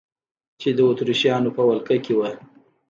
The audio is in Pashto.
چې د اتریشیانو په ولقه کې وه.